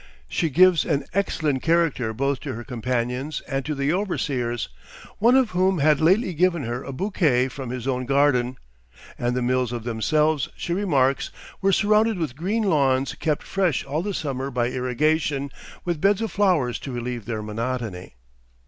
She gives an excellent character both to her companions and to the overseers, one of whom had lately given her a bouquet from his own garden; and the mills themselves, she remarks, were surrounded with green lawns kept fresh all the summer by irrigation, with beds of flowers to relieve their monotony.